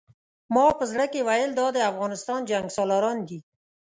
ما په زړه کې ویل دا د افغانستان جنګسالاران دي.